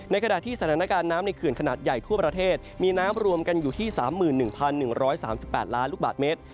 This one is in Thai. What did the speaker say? ขณะที่สถานการณ์น้ำในเขื่อนขนาดใหญ่ทั่วประเทศมีน้ำรวมกันอยู่ที่๓๑๑๓๘ล้านลูกบาทเมตร